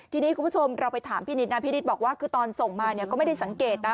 ทีนี้คุณผู้ชมเราไปถามพี่นิดนะพี่นิดบอกว่าคือตอนส่งมาเนี่ยก็ไม่ได้สังเกตนะ